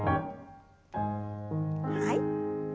はい。